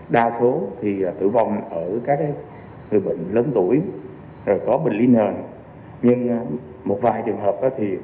đa số thì tử vong ở các bệnh lớn tuổi có bệnh ly nhờn nhưng một vài trường hợp